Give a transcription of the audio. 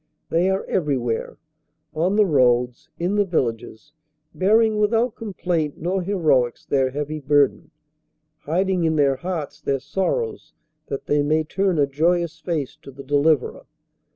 They are every where on the roads, in the villages; bearing without com plaint nor heroics their heavy burden, hiding in their hearts their sorrows that they may turn a joyous face to the deliverer.